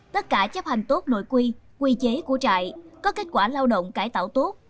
tất cả chấp hành tốt nội quy quy chế của trại có kết quả lao động cải tạo tốt